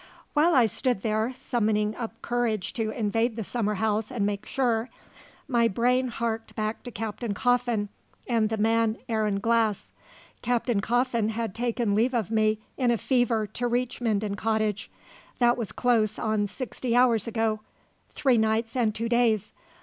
While I stood there, summoning up courage to invade the summer house and make sure, my brain harked back to Captain Coffin and the man Aaron Glass. Captain Coffin had taken leave of me in a fever to reach Minden Cottage. That was close on sixty hours ago three nights and two days.